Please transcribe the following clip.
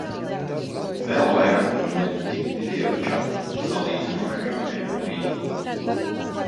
Vēl vairāk man nepatīk videočati salīdzinoši agri no rīta.